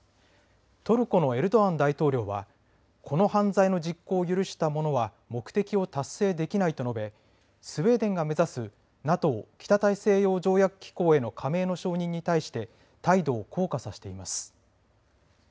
トルコのエルドアン大統領はこの犯罪の実行を許した者は目的を達成できないと述べスウェーデンが目指すＮＡＴＯ・北大西洋条約機構への加盟の承認に対して態度を硬化させています。